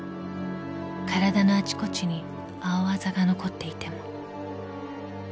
［体のあちこちに青アザが残っていても］